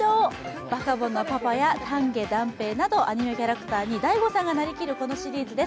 バカボンのパパや丹下段平などアニメキャラクターに大悟さんがなりきる、このシリーズです。